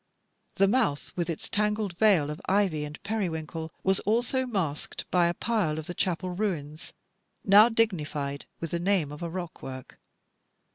The mouth, with its tangled veil of ivy and periwinkle, was also masked by a pile of the chapel ruins, now dignified with the name of a rockwork.